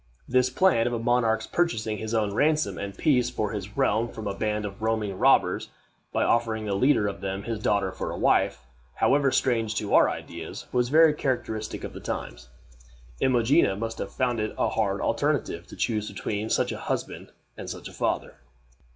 This plan of a monarch's purchasing his own ransom and peace for his realm from a band of roaming robbers, by offering the leader of them his daughter for a wife, however strange to our ideas, was very characteristic of the times. Imogena must have found it a hard alternative to choose between such a husband and such a father.